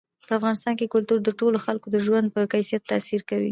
په افغانستان کې کلتور د ټولو خلکو د ژوند په کیفیت تاثیر کوي.